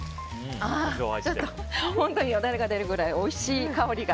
本当によだれが出るくらいおいしい香りが。